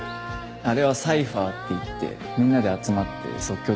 あれはサイファーっていってみんなで集まって即興でラップしてて。